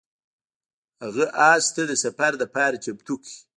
هغه اس ته د سفر لپاره چمتو کړ.